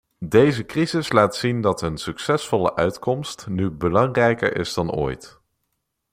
Deze crisis laat zien dat een succesvolle uitkomst nu belangrijker is dan ooit.